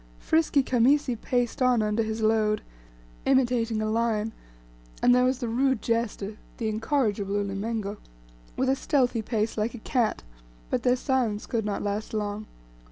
Frisky Khamisi paced on under his load, imitating a lion and there was the rude jester the incorrigible Ulimengo with a stealthy pace like a cat. But their silence could not last long.